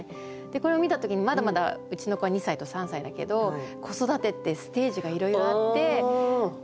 これを見た時にまだまだうちの子は２歳と３歳だけど子育てってステージがいろいろあってまた新たなステージ